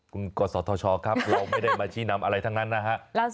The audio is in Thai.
คุณกศธชครับเราไม่ได้มาชี้นำอะไรทั้งนั้นนะฮะ